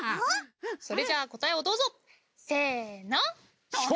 それじゃあ答えをどうぞせの。